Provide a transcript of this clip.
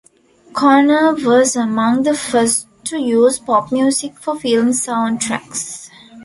Conner was among the first to use pop music for film sound tracks.